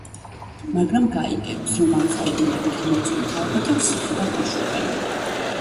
მაგრამ გაიგებს, რომ ამ საიდუმლოებით მოცულ ქალბატონს ციხიდან უშვებენ.